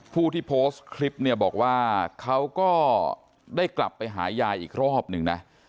ผู้ที่โพสต์คลิปเนี่ยบอกว่าเขาก็ได้กลับไปหายายอีกรอบหนึ่งนะ